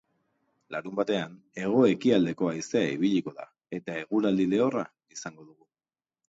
Larunbatean, hego-ekialdeko haizea ibiliko da eta eguraldi lehorra izango dugu.